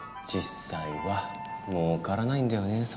実際は儲からないんだよね